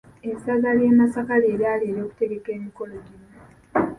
Essaza ly’e Masaka lye lyali eryokutegeka emikolo gino.